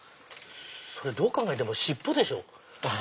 それどう考えても尻尾でしょ。